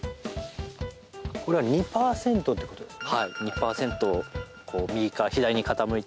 これは２％ってことですよね。